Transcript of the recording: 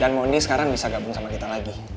dan mondi sekarang bisa gabung sama kita lagi